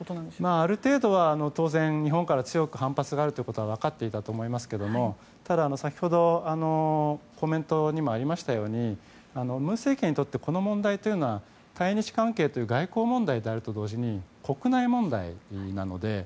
ある程度は、当然日本から強く反発があることは分かっていたと思いますけれどもただ、先ほどのコメントにもありましたように文政権にとって、この問題は対日関係という外交問題であると同時に国内問題なので。